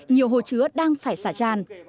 nhiều hồ chứa đang phải sáng sáng